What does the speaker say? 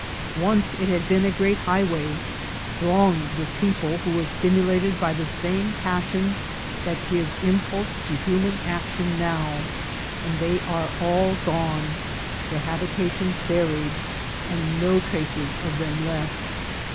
Once it had been a great highway, throng ed with people who were stimulated by the same pas sions that give impulse to human action now ; and they are all gone, their habitations buried, and no traces of them left.